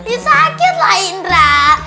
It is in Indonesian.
ini sakitlah indra